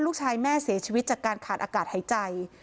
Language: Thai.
ลูกชายแม่เสียชีวิตจากการขาดอากาศหายใจ